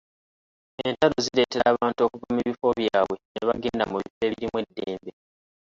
Entalo zireetera abantu okuva mu bifo byabwe ne bagenda mu bifo ebirimu eddembe.